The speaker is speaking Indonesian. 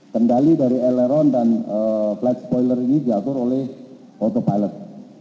kendali dari aileron dan flight spoiler ini diatur oleh autopilot